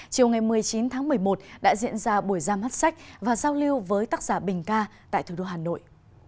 chiều ngày một mươi chín tháng một mươi một đã diễn ra buổi ra mắt sách và giao lưu với tác giả bình ca tại thủ đô hà nội